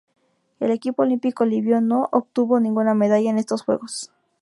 El equipo olímpico libio no obtuvo ninguna medalla en estos Juegos.